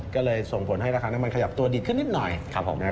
ก็เลยส่งผลให้ราคาน้ำมันขยับตัวดีขึ้นนิดหน่อยครับผม